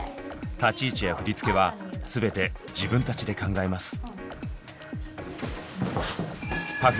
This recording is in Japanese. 立ち位置や振り付けはすべて自分たちで考えます。